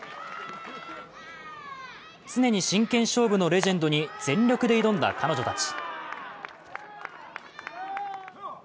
常に真剣勝負のレジェンドに全力で挑んだ彼女たち。